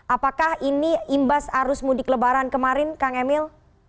apakah ini imbas arus mudik lebaran kemarin kang emil